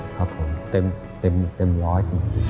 ครับผมเต็มร้อย